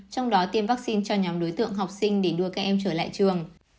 trong đó tiêm vaccine cho nhóm đối tượng học sinh để đưa các em trở lại trường